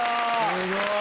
すごい！